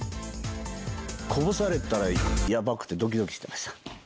こぼされたらやばくて、どきどきしてました。